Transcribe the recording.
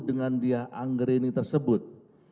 dengan dia angreni tersebut